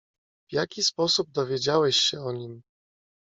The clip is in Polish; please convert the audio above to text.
"W jaki sposób dowiedziałeś się o nim?"